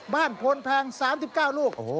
บ้านพลแพง๓๙ลูก